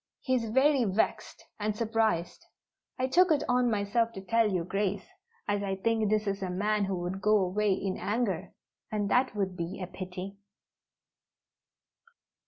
He is very vexed and surprised. I took it on myself to tell Your Grace, as I think this is a man who would go away in anger; and that would be a pity."